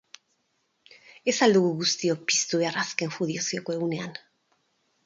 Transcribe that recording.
Ez al dugu guztiok piztu behar, azken judizioko egunean...?